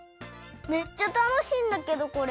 めっちゃたのしいんだけどこれ。